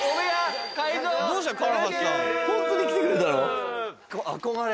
ホントに来てくれたの？